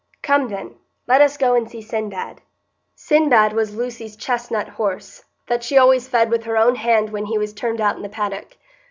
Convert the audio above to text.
Come, then, let us go and see Sinbad." Sinbad was Lucy's chestnut horse, that she always fed with her own hand when he was turned out in the paddock.